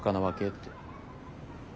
って。